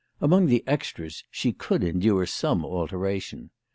Among the " extras " she could endure some alteration.